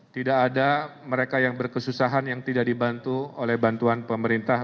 tidak ada mereka yang berkesusahan yang tidak dibantu oleh bantuan pemerintah